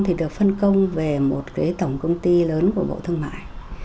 thì được phân công về một cái tổng công ty lớn của bộ thương mại